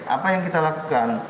apa yang kita lakukan